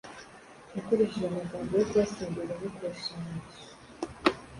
akoresheje amagambo yo kubasingiza no kubashimisha.